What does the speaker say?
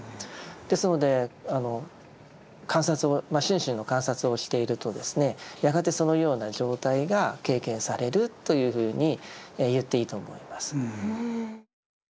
ですので観察を心身の観察をしているとですねやがてそのような状態が経験されるというふうに言っていいと思います。